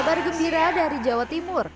kabar gembira dari jawa timur